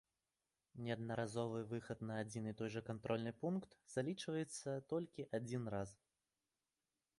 Неаднаразовы выхад на адзін і той жа кантрольны пункт залічваецца толькі адзін раз.